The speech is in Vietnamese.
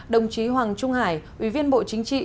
đồng chí hoàng trung hải ủy viên bộ chính trị